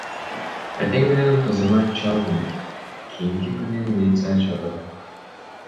Эртең менен кызыма чалдым, кийинки күнү милиция чакырдык.